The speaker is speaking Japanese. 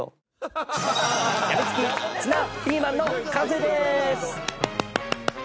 やみつきツナピーマンの完成です！